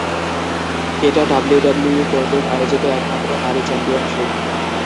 এটা ডাব্লিউডাব্লিউই কর্তৃক আয়োজিত একমাত্র নারী চ্যাম্পিয়নশীপ।